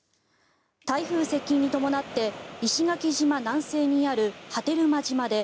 台風接近に伴って石垣島南西にある波照間島で